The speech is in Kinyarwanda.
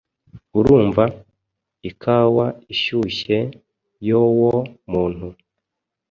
urumva? Ikawa ishyushye, yowo muntu